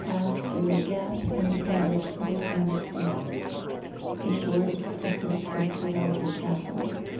pass through a gap in a hedge on his own estate, at a short distance from Killander Castle.